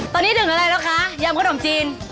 ตอนนี้ถึงอะไรแล้วคะยำขนมจีน